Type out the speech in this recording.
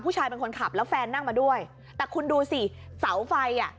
ผู้ชายเป็นคนขับแล้วแฟนนั่งมาด้วยแต่คุณดูสิเสาไฟอ่ะ